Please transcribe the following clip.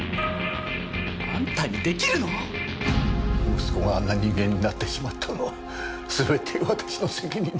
息子があんな人間になってしまったのはすべて私の責任だ。